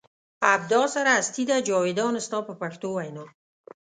ابدا سره هستي ده جاویدان ستا په پښتو وینا.